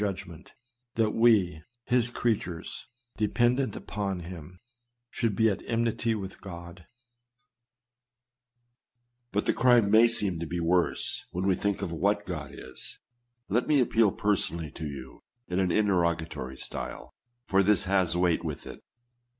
judgment — that we, his creatures, dependent upon him, should be at enmity with God ? •But the crime may seem to be worse when we think of what God is. Let me appeal personally to you in an interrogatory style, for this has weight with it.